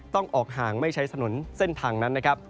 ต้องออกห่างไม่ใช้ถนนเส้นทางนั้นนะครับ